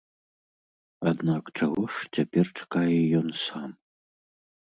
Аднак чаго ж цяпер чакае ён сам?